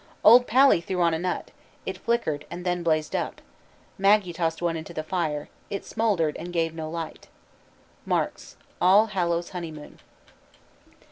"Old Pally threw on a nut. It flickered and then blazed up. Maggee tossed one into the fire. It smouldered and gave no light." MARKS: _All Hallows Honeymoon.